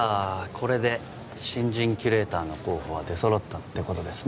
これで新人キュレーターの候補は出揃ったってことですね